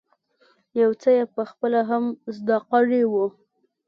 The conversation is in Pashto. يو څه یې په خپله هم زده کړی وو.